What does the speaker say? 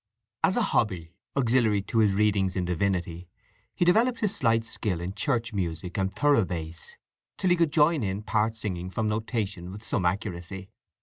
As a hobby, auxiliary to his readings in Divinity, he developed his slight skill in church music and thorough bass, till he could join in part singing from notation with some accuracy.